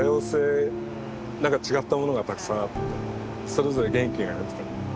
それぞれ元気があって。